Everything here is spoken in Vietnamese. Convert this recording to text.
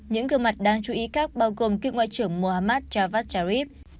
những gương mặt đáng chú ý khác bao gồm kiệu ngoại trưởng mohammad javad jarif